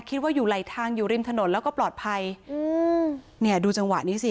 คิดว่าอยู่ไหลทางอยู่ริมถนนแล้วก็ปลอดภัยอืมเนี่ยดูจังหวะนี้สิ